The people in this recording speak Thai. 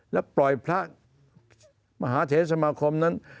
และปล่อยพระมหาเทศสมาคมนั้น